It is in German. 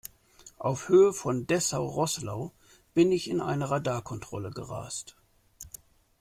Auf Höhe von Dessau-Roßlau bin ich in eine Radarkontrolle gerast.